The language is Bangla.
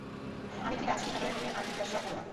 আমি ঠিক আছি কিনা দয়া করে আর জিজ্ঞাসা কোরো না।